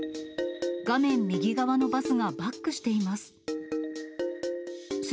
画面右側のバスがバックしています。